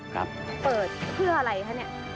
เปิดเพื่ออะไรคะเนี่ย